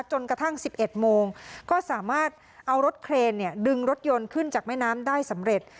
จนกระทั่ง๑๑โมงก็สามารถเอารถเครนดึงรถยนต์ขึ้นจากแม่น้ำได้สำเร็จ